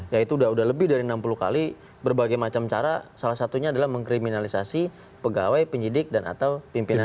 ya itu udah lebih dari enam puluh kali berbagai macam cara salah satunya adalah mengkriminalisasi pegawai penyidik dan atau pimpinan kpk